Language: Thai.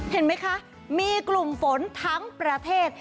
เห็นไหมคะมีกลุ่มฝนทั้งประเทศ